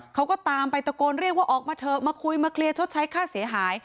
เขาก็ตามไปตะโกนเรียกว่าออกมาเถอะมาคุยมาเคลียร์ชดใช้ค่าเสียหาย